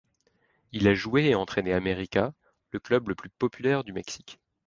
Il a joué et entraîné América, le club le plus populaire du Mexique.